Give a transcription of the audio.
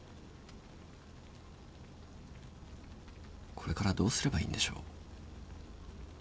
これからどうすればいいんでしょう。